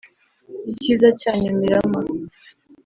Icyiza cyanyu Mirama